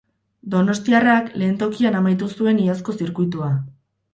Donostiarrak lehen tokian amaitu zuen iazko zirkuitua.